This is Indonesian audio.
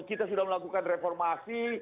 kita sudah melakukan reformasi